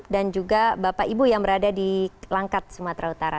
dan juga bapak ibu yang berada di langkat sumatera utara